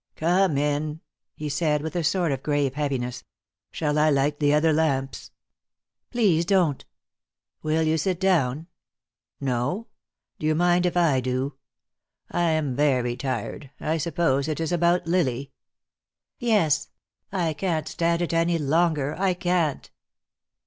"Come in," he said, with a sort of grave heaviness. "Shall I light the other lamps?" "Please don't." "Will you sit down? No? Do you mind if I do? I am very tired. I suppose it is about Lily?" "Yes. I can't stand it any longer. I can't."